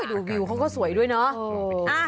ดูวิวเขาก็สวยด้วยเนาะ